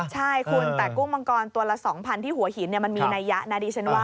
ใช่คุณแต่กุ้งมังกรตัวละ๒๐๐ที่หัวหินมันมีนัยยะนะดิฉันว่า